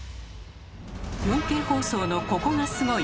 「４Ｋ放送のココがスゴい！」